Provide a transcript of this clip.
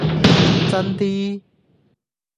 揾真啲